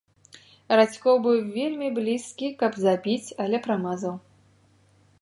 Радзькоў быў вельмі блізкі, каб забіць, але прамазаў.